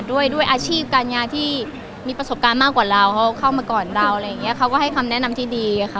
ด้วยด้วยอาชีพการงานที่มีประสบการณ์มากกว่าเราเขาเข้ามาก่อนเราอะไรอย่างเงี้เขาก็ให้คำแนะนำที่ดีค่ะ